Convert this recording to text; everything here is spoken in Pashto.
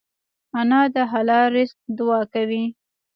انا د حلال رزق دعا کوي